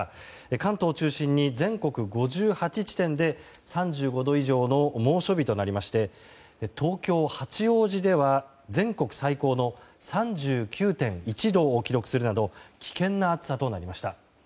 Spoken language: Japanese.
関東を中心に全国５８地点で３５度以上の猛暑日となりまして東京・八王子では全国最高の３９．１度を記録するなど危険な暑さとなりました。